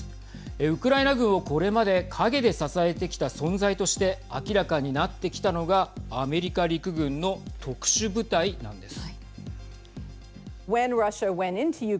ウクライナ軍をこれまで陰で支えてきた存在として明らかになってきたのがアメリカ陸軍の特殊部隊なんです。